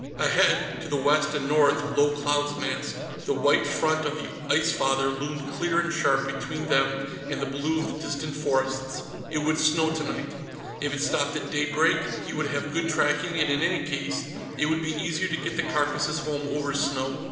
Ahead, to the west and north, low clouds massed; the white front of the Ice Father loomed clear and sharp between them and the blue of the distant forests. It would snow, tonight. If it stopped at daybreak, he would have good tracking, and in any case, it would be easier to get the carcasses home over snow.